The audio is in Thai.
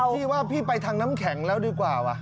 พี่ว่าพี่ไปทางน้ำแข็งแล้วดีกว่าว่ะ